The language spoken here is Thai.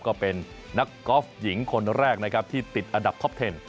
ก็เป็นนักกอล์ฟหญิงคนแรกนะครับที่ติดอันดับท็อปเทน